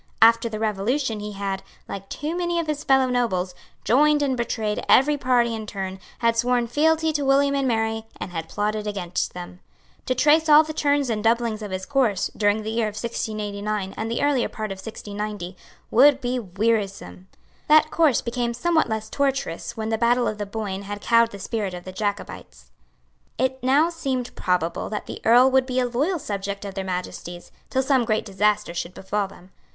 After the Revolution he had, like too many of his fellow nobles, joined and betrayed every party in turn, had sworn fealty to William and Mary, and had plotted against them. To trace all the turns and doublings of his course, during the year 1689 and the earlier part of 1690, would be wearisome. That course became somewhat less tortuous when the battle of the Boyne had cowed the spirit of the Jacobites. It now seemed probable that the Earl would be a loyal subject of their Majesties, till some great disaster should befall them.